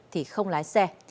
thì không lái xe